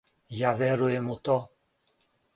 Ја верујем у то.